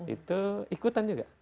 itu ikutan juga